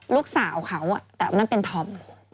ลูกสาวเขาแต่นั่นเป็นธอม